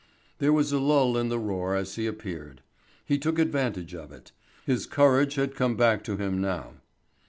There was a lull in the roar as he appeared. He took advantage of it. His courage had come back to him now.